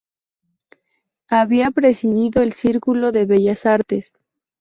Había presidido el Círculo de Bellas Artes.